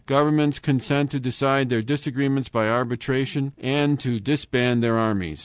Governments consent to decide their disagreements by arbitration and to disband their armies!